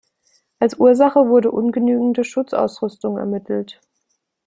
Als Ursache wurde ungenügende Schutzausrüstung ermittelt.